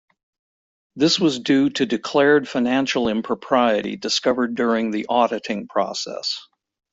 This was due to declared financial impropriety discovered during the auditing process.